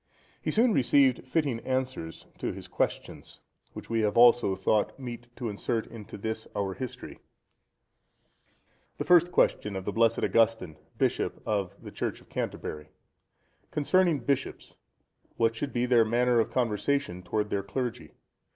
He soon received fitting answers to his questions, which we have also thought meet to insert in this our history: The First Question of the blessed Augustine, Bishop of the Church of Canterbury.—Concerning bishops, what should be their manner of conversation towards their clergy?